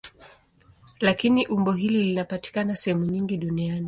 Lakini umbo hili linapatikana sehemu nyingi duniani.